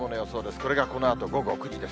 これがこのあと午後９時です。